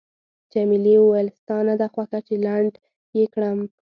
جميلې وويل:، ستا نه ده خوښه چې لنډ یې کړم؟